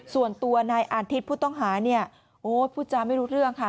ส่วนตัวนายอาธิตรผู้ต้องหาผู้จามไม่รู้เรื่องค่ะ